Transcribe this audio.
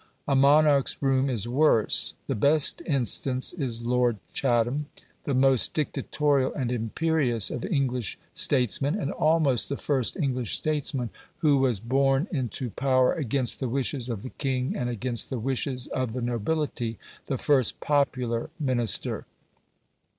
A monarch's room is worse. The best instance is Lord Chatham, the most dictatorial and imperious of English statesmen, and almost the first English statesman who was borne into power against the wishes of the king and against the wishes of the nobility the first popular Minister.